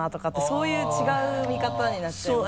そういう違う見方になっちゃいます。